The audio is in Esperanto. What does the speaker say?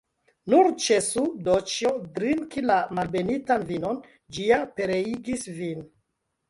Nur ĉesu, Doĉjo, drinki la malbenitan vinon; ĝi ja pereigis vin!